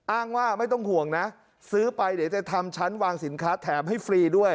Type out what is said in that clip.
อ้างว่าไม่ต้องห่วงนะซื้อไปเดี๋ยวจะทำชั้นวางสินค้าแถมให้ฟรีด้วย